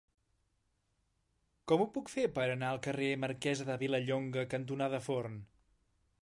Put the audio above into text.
Com ho puc fer per anar al carrer Marquesa de Vilallonga cantonada Forn?